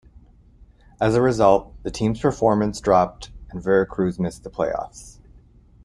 As a result, the team's performance dropped and Veracruz missed the playoffs.